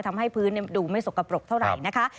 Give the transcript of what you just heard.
ทำให้พื้นดูไม่สกปรกเท่าไหร่นะคะ